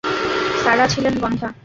Sarah ছিলেন বন্ধ্যা।